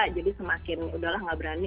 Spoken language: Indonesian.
jadi semakin udahlah nggak berani